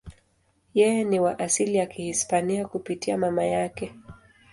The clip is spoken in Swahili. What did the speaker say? Yeye ni wa asili ya Kihispania kupitia mama yake.